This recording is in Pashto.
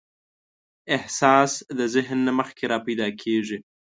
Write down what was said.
احساس د ذهن نه مخکې راپیدا کېږي.